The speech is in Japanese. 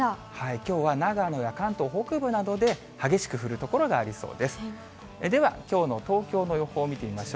きょうは長野や関東北部などで、激しく降る所がありそうです。